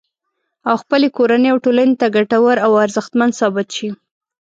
او خپلې کورنۍ او ټولنې ته ګټور او ارزښتمن ثابت شي